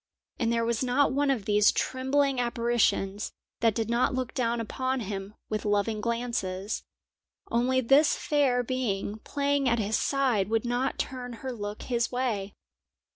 And there was not one of these trembling apparitions that did not look down upon him with loving glances; only this fair being playing at his side would not turn her look his way.